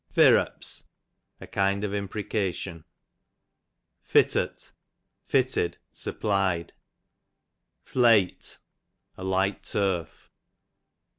Firrups, a kind of imprecation. Fittut, fitted, supply'd. Flaiglit, a liglit turf.